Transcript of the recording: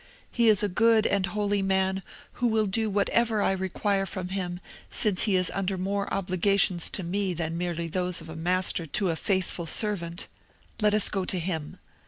He is a good and holy man, who will do whatever I require from him, since he is under more obligations to me than merely those of a master to a faithful servant. Let us go to him.